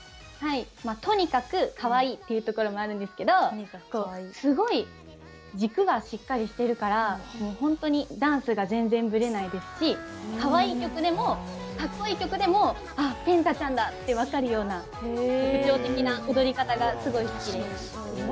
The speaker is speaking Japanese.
とにかくかわいいっていうところがあるんですが軸がしっかりしてるから本当にダンスが全然ぶれないですしかわいい曲でもかっこいい曲でもあ、ぺんたちゃんだ！って分かるような特徴的な踊り方がすごい好きです。